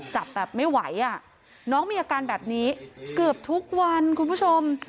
จับแบบไม่ไหวอ่ะน้องมีอาการแบบนี้เกือบทุกวันคุณผู้ชม